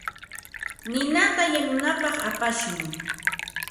Ninata yanunapaq apashun.